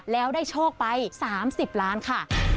แล้วได้โชคไป๓๐ล้านค่ะ